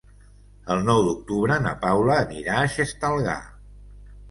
El nou d'octubre na Paula anirà a Xestalgar.